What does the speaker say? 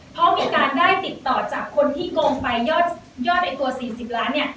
เพราะมีการได้ติดต่อจากคนที่โกงไปยอดยอดไอ้ตัวสี่สิบล้านเนี้ย